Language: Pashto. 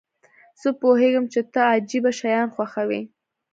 زه پوهیږم چې ته عجیبه شیان خوښوې.